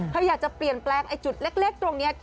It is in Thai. เธออยากจะเปลี่ยนแปลงไอ้จุดเล็กตรงนี้